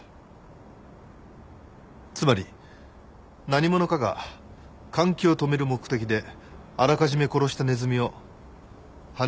つまり何者かが換気を止める目的であらかじめ殺したネズミを羽根に挟んでおいた。